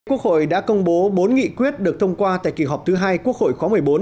quốc hội đã công bố bốn nghị quyết được thông qua tại kỳ họp thứ hai quốc hội khóa một mươi bốn